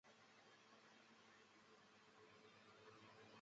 该公告所述和原先的赛程出现分歧。